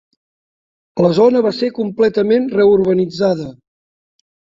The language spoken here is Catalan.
La zona va ser completament reurbanitzada.